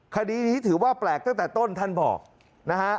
คดีนี้ถือว่าแปลกตั้งแต่ต้นท่านบอกนะฮะ